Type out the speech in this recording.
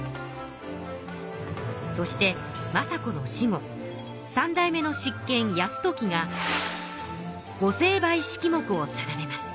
そして政子の死後３代目の執権泰時が御成敗式目を定めます。